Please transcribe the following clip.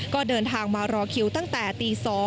ก็เดินทางมารอคิวตั้งแต่ตี๒